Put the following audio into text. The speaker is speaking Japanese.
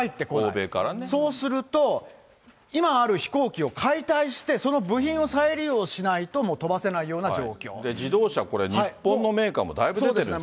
そうすると、今ある飛行機を解体して、その部品を再利用しないと、自動車、これ、日本のメーカーもだいぶ出てるんですよね。